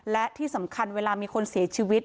และที่สำคัญเวลามีคนเสียชีวิต